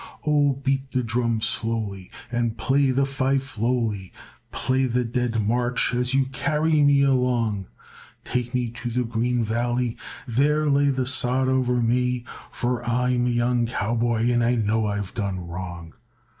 "Oh, beat the drum slowly and play the fife lowly, Play the Dead March as you carry me along; Take me to the green valley, there lay the sod o'er me, For I'm a young cowboy and I know I've done wrong.